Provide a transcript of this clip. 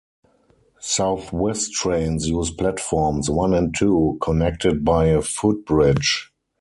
South West Trains use platforms one and two, connected by a footbridge.